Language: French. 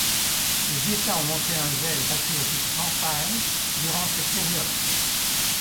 Les états ont montré un zèle patriotique sans faille durant cette période.